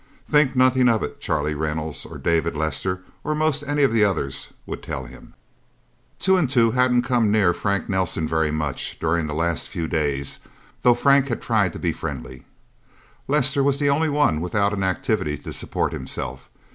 "Think nothing of it," Charlie Reynolds or David Lester, or most any of the others, would tell him. Two and Two hadn't come near Frank Nelsen very much, during the last few days, though Frank had tried to be friendly. Lester was the only one without an activity to support himself.